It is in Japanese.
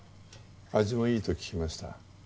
味もいいと聞きました。